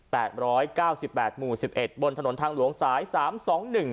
ร้อยเก้าสิบแปดหมู่สิบเอ็ดบนถนนทางหลวงสายสามสองหนึ่ง